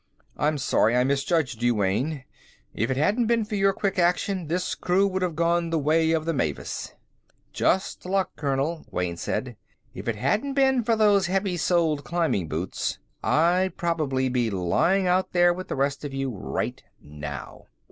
"I'm sorry I misjudged you, Wayne. If it hadn't been for your quick action, this crew would have gone the way of the Mavis." "Just luck, Colonel," Wayne said. "If it hadn't been for those heavy soled climbing boots, I'd probably be lying out there with the rest of you right now."